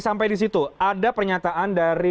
sampai di situ ada pernyataan dari